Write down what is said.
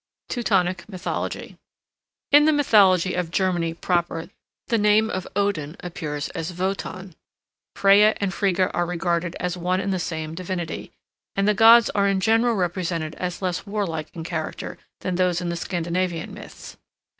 TEUTONIC MYTHOLOGY In the mythology of Germany proper, the name of Odin appears as Wotan; Freya and Frigga are regarded as one and the same divinity, and the gods are in general represented as less warlike in character than those in the Scandinavian myths.